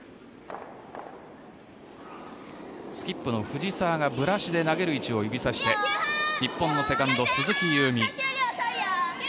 スキップの藤澤がブラシで投げる位置を指さして日本のセカンド、鈴木夕湖。